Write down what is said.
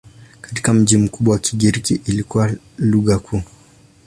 Katika miji mikubwa Kigiriki kilikuwa lugha kuu.